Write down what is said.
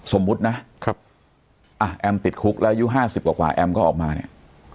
สมมุตินะแอมติดคุกแล้วยู๕๐กว่าแอมก็ออกมาเนี่ย